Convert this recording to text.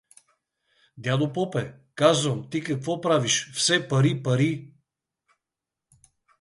Дядо попе, казвам, ти какво правиш — все пари, пари.